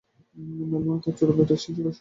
মেলবোর্নে তার চূড়ান্ত টেস্টে জোড়া শূন্য পান।